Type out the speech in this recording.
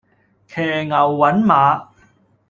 騎牛揾馬